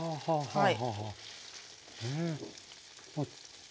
はい。